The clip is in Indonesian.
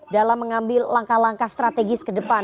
dalam mengambil langkah langkah strategis ke depan